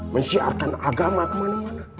menyiarkan agama ke mana mana